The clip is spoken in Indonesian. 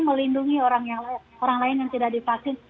melindungi orang lain yang tidak divaksin